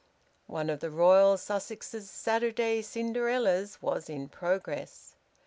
One of the Royal Sussex's Saturday Cinderellas was in progress.